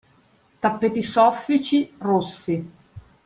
Tappeti soffici, rossi;